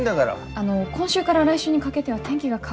あの今週から来週にかけては天気が変わりやすくて。